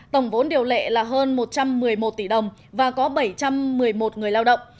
tổng vốn điều lệ là hơn một trăm một mươi một tỷ đồng và có bảy trăm một mươi một người lao động